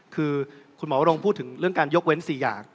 คือคุณหมอวรงค์พูดถึงเรื่องการยกเว้น๔อย่าง